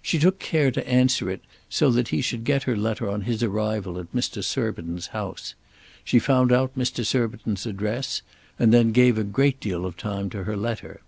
She took care to answer it so that he should get her letter on his arrival at Mr. Surbiton's house. She found out Mr. Surbiton's address, and then gave a great deal of time to her letter.